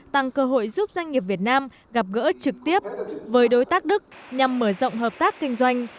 tăng cơ hội giúp doanh nghiệp việt nam gặp gỡ trực tiếp với đối tác đức nhằm mở rộng hợp tác kinh doanh